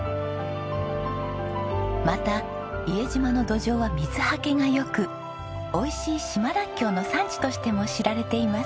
また伊江島の土壌は水はけが良くおいしい島ラッキョウの産地としても知られています。